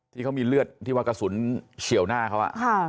ที่เขามีเลือดที่ว่ากระสุนเฉียวหน้าเขา